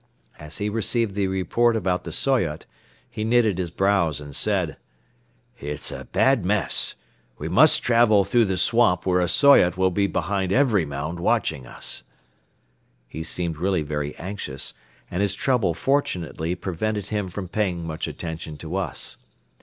As he received the report about the Soyot, he knitted his brows and said: "It's a bad mess. We must travel through the swamp where a Soyot will be behind every mound watching us." He seemed really very anxious and his trouble fortunately prevented him from paying much attention to us.